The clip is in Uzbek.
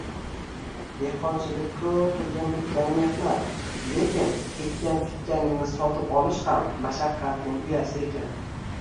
Dehqonchilik-ku turgan-bitgani mehnat, lekin ekkan-tikkaningni sotib olish ham mashaqqatning uyasi ekan.